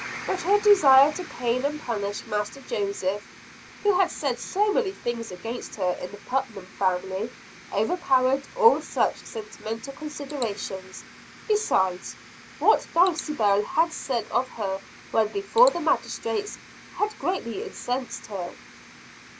But her desire to pain and punish Master Joseph, who had said so many things against her in the Putnam family overpowered all such sentimental considerations. Besides, what Dulcibel had said of her when before the magistrates, had greatly incensed her.